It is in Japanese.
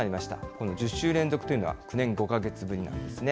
この１０週連続というのは、９年５か月ぶりなんですね。